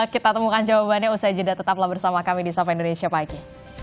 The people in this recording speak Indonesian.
kita temukan jawabannya usai jeda tetaplah bersama kami di sapa indonesia pagi